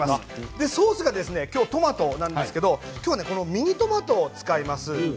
ソースがトマトなんですがミニトマトを使います。